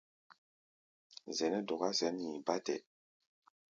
Zɛʼnɛ́ dɔká sɛ̌n hi̧i̧ bátɛ.